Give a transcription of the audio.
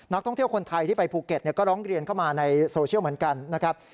ท่องเที่ยวคนไทยที่ไปภูเก็ตก็ร้องเรียนเข้ามาในโซเชียลเหมือนกันนะครับ